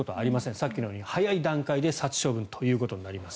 さっきのように早い段階で殺処分となります。